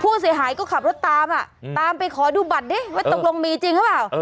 ผู้เสียหายก็ขับรถตามอ่ะตามตามไปขอดูบัตรดิว่าตกลงมีจริงหรือเปล่า